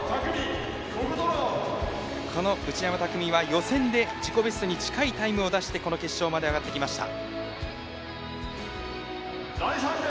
内山拓海は予選で自己ベストに近いタイムを出してこの決勝まで上がってきました。